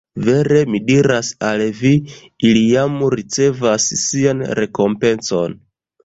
Vere mi diras al vi: Ili jam ricevas sian rekompencon.